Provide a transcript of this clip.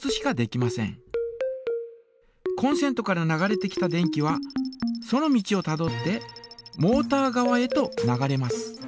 コンセントから流れてきた電気はその道をたどってモータ側へと流れます。